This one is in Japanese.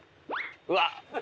うわっ！